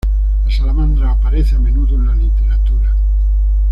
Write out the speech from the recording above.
La salamandra aparece a menudo en la literatura.